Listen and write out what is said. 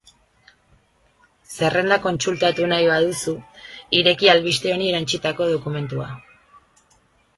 Zerrenda kontsultatu nahi baduzu, ireki albiste honi erantsitako dokumentua.